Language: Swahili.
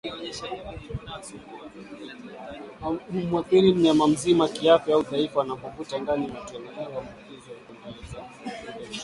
humwathiri Mnyama mzima kiafya au dhaifu anapovuta ndani matone hayo huambukizwa na kuendeleza ugonjwa